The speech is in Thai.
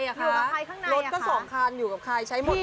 ลดก็สำคัญอยู่กับใคร